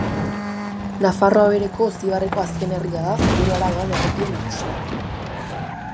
Nafarroa Behereko Oztibarreko azken herria da Zuberoara doan errepide nagusian.